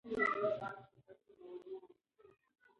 فیصل د خپلې غوسې له امله کوټه پرېښوده.